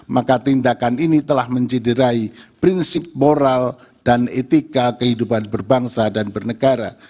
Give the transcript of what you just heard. maka tindakan ini telah menjederai prinsip moral dan etika kehidupan berbangsa dan bernegara